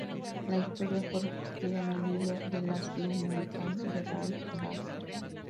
La historia fue recogida en el libro "The Last Blue Mountain" de Ralph Barker.